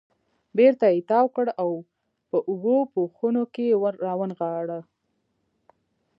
بېرته یې تاو کړ او په اوو پوښونو کې یې را ونغاړه.